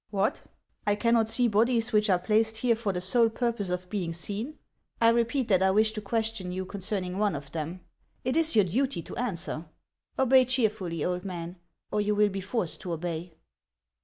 " What ! I cannot see bodies which are placed here for the sole purpose of being seen ! 1 repeat, that I wish to question you concerning one of them ; it is your duty to answer. Obey cheerfully, old man, or you will be forced to obey."